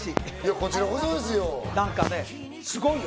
こちらこそですよ。